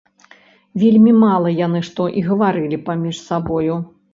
Вельмі мала яны што і гаварылі паміж сабою.